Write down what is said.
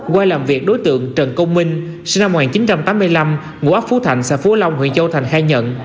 qua làm việc đối tượng trần công minh sinh năm một nghìn chín trăm tám mươi năm ngũ ấp phú thạnh xã phú long huyện châu thành khai nhận